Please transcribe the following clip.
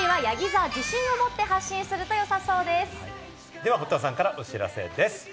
では堀田さんからお知らせです。